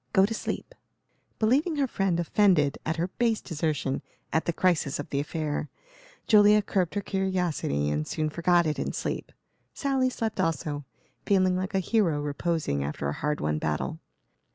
Go to sleep." Believing her friend offended at her base desertion at the crisis of the affair, Julia curbed her curiosity and soon forgot it in sleep. Sally slept also, feeling like a hero reposing after a hard won battle.